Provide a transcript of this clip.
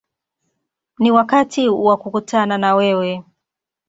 Ni wakati wa kukutana na wewe”.